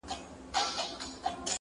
د چا دغه د چا هغه ورته ستايي!